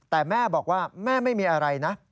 แต่แม่บอกว่าแม่ไม่มีอะไรนะ